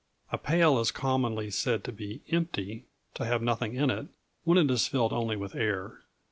A pail is commonly said to be empty to have nothing in it when it is filled only with air.